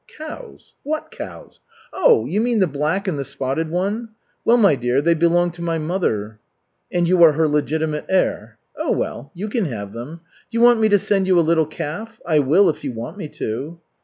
"Cows, what cows? Oh, you mean the black and the spotted one? Well, my dear, they belonged to my mother." "And you are her legitimate heir? Oh, well, you can have them. Do you want me to send you a little calf? I will, if you want me to."